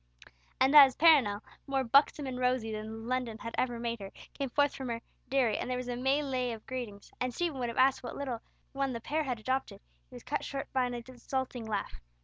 And as Perronel, more buxom and rosy than London had ever made her, came forth from her dairy, and there was a mêlée of greetings, and Stephen would have asked what homeless little one the pair had adopted, he was cut short by an exulting laugh.